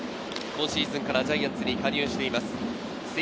今シーズンからジャイアンツに加入しています。